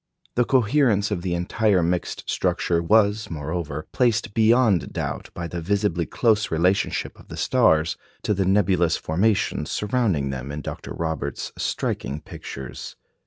" The coherence of the entire mixed structure was, moreover, placed beyond doubt by the visibly close relationship of the stars to the nebulous formations surrounding them in Dr. Roberts's striking pictures.